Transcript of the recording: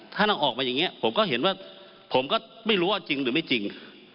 ถ้าเราออกมาอย่างนี้ผมก็เห็นว่าผมก็ไม่รู้ว่าจริงหรือไม่จริง